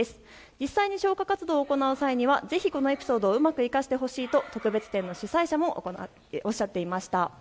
実際に消火活動を行う際にはぜひこのエピソードをうまく生かしてほしいと特別展の主催者もおっしゃっていました。